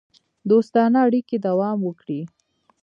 دوستانه اړیکې دوام وکړي.